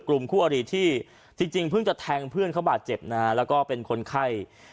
กลุ่มคู่อริที่จริงเพิ่งจะแทงเพื่อนเขาบาดเจ็บนะฮะแล้วก็เป็นคนไข้